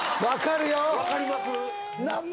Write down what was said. わかります？